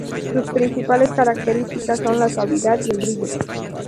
Sus principales características son la suavidad y el brillo.